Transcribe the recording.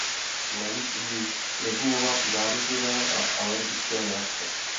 Navíc umí regulovat zánětlivé a alergické reakce.